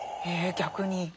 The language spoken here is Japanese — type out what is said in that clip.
え逆に？